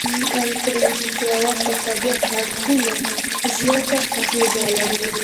که د موسيقۍ اواز تر طبيعت غږونو زیاته اغېزه لري.